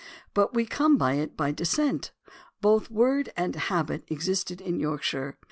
But we came by it by descent. Both word and habit existed in York shire.